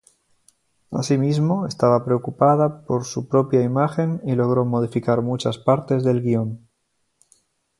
Asimismo, estaba preocupada por su propia imagen y logró modificar muchas partes del guion.